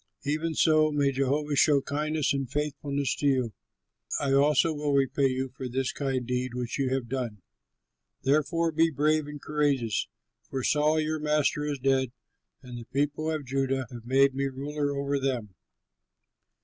Even so may Jehovah show kindness and faithfulness to you. I also will repay you for this kind deed which you have done. Therefore be brave and courageous; for Saul your master is dead, and the people of Judah have made me ruler over them."